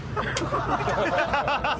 ハハハハ！